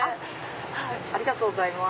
ありがとうございます。